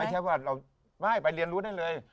ไม่ใช่ว่าเราไม่ไปเรียนรู้ได้เลย